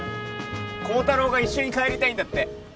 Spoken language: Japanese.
高太郎が一緒に帰りたいんだって。